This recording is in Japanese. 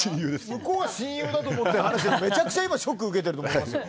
向こうは親友だと思って話してるのにめちゃくちゃ今ショック受けてると思いますよ。